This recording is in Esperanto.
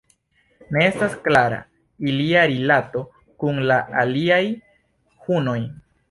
Ne estas klara ilia rilato kun la aliaj hunoj.